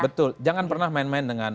betul jangan pernah main main dengan